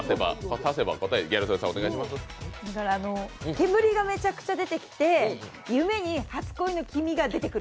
煙がめちゃくちゃ出てきて、夢に初恋の君が出てくる。